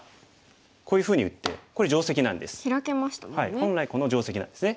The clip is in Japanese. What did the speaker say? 本来この定石なんですね。